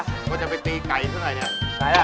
พวกเขาจะไปตีไก่ขึ้นเหมือนกัน